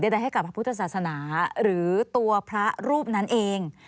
ใดให้กับพระพุทธศาสนาหรือตัวพระรูปนั้นเอง